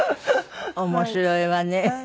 面白いわね。